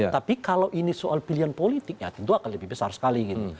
tapi kalau ini soal pilihan politik ya tentu akan lebih besar sekali gitu